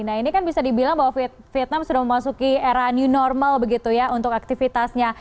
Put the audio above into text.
nah ini kan bisa dibilang bahwa vietnam sudah memasuki era new normal begitu ya untuk aktivitasnya